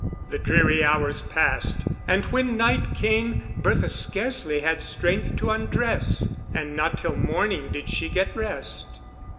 The dreary hours passed, and when night came Bertha scarcely had strength to undress; and not till the morning did she get rest.